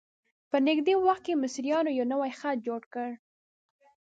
په نږدې وخت کې مصریانو یو نوی خط جوړ کړ.